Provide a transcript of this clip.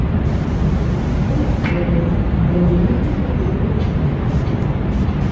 Als Grund wurden neurologische Probleme angegeben.